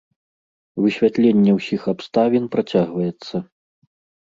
Высвятленне ўсіх абставін працягваецца.